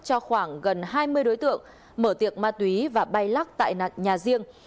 cho khoảng gần hai mươi đối tượng mở tiệc ma túy và bay lắc tại nhà riêng